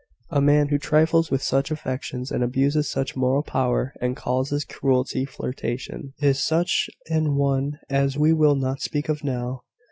A man who trifles with such affections, and abuses such moral power, and calls his cruelty flirtation " "Is such an one as we will not speak of now.